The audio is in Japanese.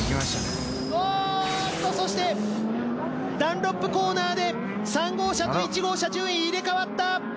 あっとそしてダンロップコーナーで３号車と１号車順位入れ替わった！